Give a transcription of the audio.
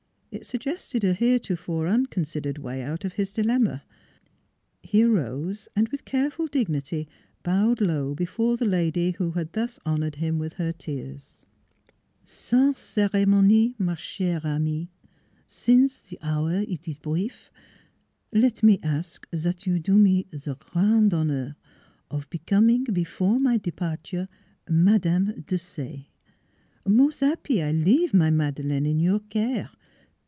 It suggested a heretofore unconsidered way out of his dilemma. He arose and with careful dignity bowed low before the lady who had thus honored him with her tears. 354 NEIGHBORS " Sans ceremonie, ma chere arnie, since ze hour eet ees brief, let me ask zat you do me ze grand honneur of becoming before my departure Ma dame Desaye. Mos' 'appy I leave my Madeleine in your care.